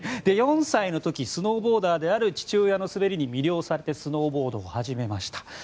４歳の時、スノーボーダーである父親の滑りに魅了されてスノーボードを始めました。